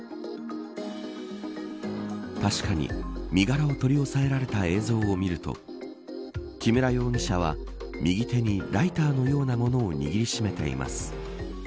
確かに身柄を取り押さえられた映像を見ると木村容疑者は右手にライターのようなものを握り締めています。